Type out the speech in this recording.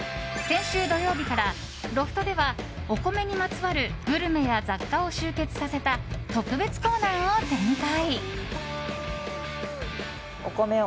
先週土曜日からロフトではお米にまつわるグルメや雑貨を集結させた特別コーナーを展開。